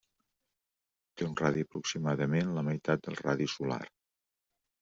Té un radi aproximadament la meitat del radi solar.